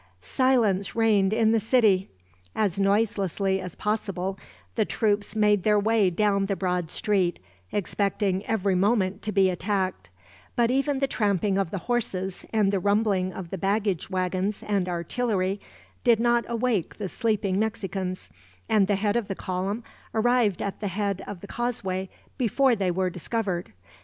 Silence reigned in the city. As noiselessly as possible, the troops made their way down the broad street, expecting every moment to be attacked; but even the tramping of the horses, and the rumbling of the baggage wagons and artillery did not awake the sleeping Mexicans, and the head of the column arrived at the head of the causeway before they were discovered.